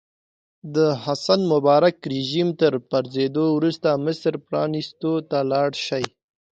د حسن مبارک رژیم تر پرځېدو وروسته مصر پرانیستو ته لاړ شي.